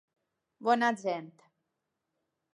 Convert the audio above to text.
Bona gent.